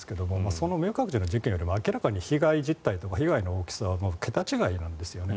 その明覚寺の事件より明らかに被害実態とか被害の大きさは桁違いなんですよね。